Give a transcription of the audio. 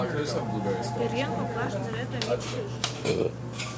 Пӧръеҥ коклаш неретым ит шӱш!